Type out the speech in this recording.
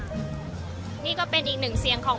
อาจจะออกมาใช้สิทธิ์กันแล้วก็จะอยู่ยาวถึงในข้ามคืนนี้เลยนะคะ